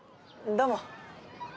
どうも。